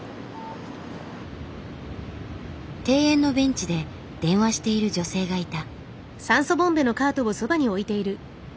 庭園のベンチで電話している女性がいた。